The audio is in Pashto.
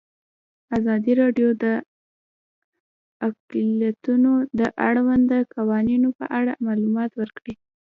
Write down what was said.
ازادي راډیو د اقلیتونه د اړونده قوانینو په اړه معلومات ورکړي.